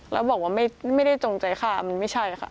แล้วบอกว่าไม่ได้จงใจฆ่ามันไม่ใช่ค่ะ